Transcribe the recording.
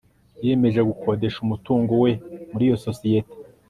Yiyemeje gukodesha umutungo we muri iyo sosiyete